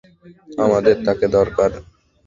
আমাদের তাকে দরকার।